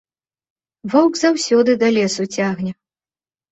Воўк заўсёды да лесу цягне.